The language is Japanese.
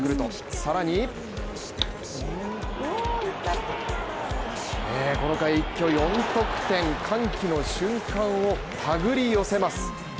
更にこの回一挙４得点、歓喜の瞬間を手繰り寄せます。